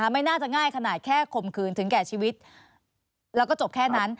ไม่น่าจะง่ายขนาดแค่ข่มขืนถึงแก่ชีวิตแล้วก็จบแค่นั้น